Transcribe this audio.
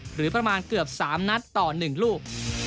หรือประมาณเกือบ๓นัดต่อ๑ลูก